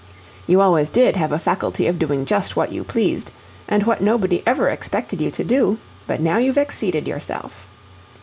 You always DID have a faculty of doing just what you pleased, and what nobody ever expected you to do, but now you've exceeded yourself.